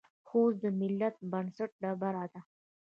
خوست د ملت د بنسټ ډبره ده.